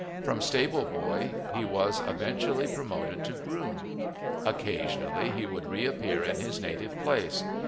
From stable boy he was eventually promoted to groom. Occasionally he would reappear in his native place.